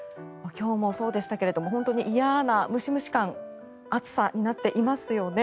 今日もそうでしたが嫌なムシムシ感暑さになっていますよね。